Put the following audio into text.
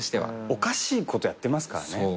おかしいことやってますからね。